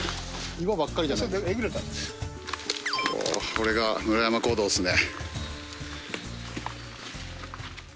これが村山古道っすね。